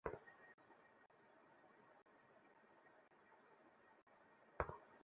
তাঁর সঙ্গে দুটি মুঠোফোনে যোগাযোগের চেষ্টা করে সেগুলো বন্ধ পাওয়া যায়।